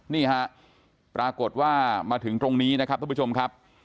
นี่ฮะปรากฏว่ามาถึงตรงนี้นะครับท่านผู้ชมครับ